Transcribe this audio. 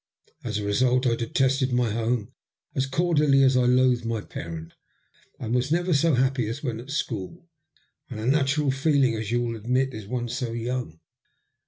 As a result I detested my home as cordially as I loathed my parent, and was never so happy as when at school — ^an unnatural feeling, as you will admit, in one so young.